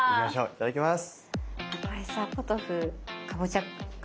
いただきます。